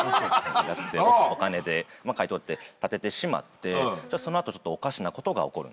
お金で買い取って建ててしまってそのあとおかしなことが起こるんですね。